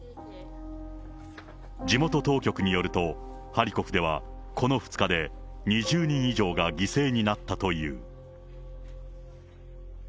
地元当局によると、ハリコフでは、この２日で２０人以上が犠牲になったという。